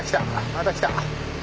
また来た。